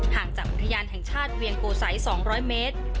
ห่างจากอุทยานแห่งชาติเวียงโกสัย๒๐๐เมตร